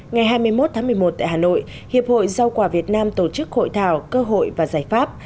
ngày hai mươi một tháng một mươi một tại hà nội hiệp hội rau quả việt nam tổ chức hội thảo cơ hội và giải pháp